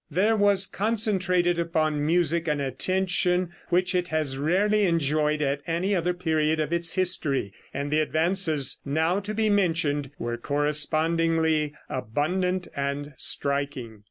There was concentrated upon music an attention which it has rarely enjoyed at any other period of its history, and the advances now to be mentioned were correspondingly abundant and striking.